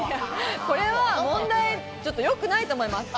これは問題ちょっと良くないと思います。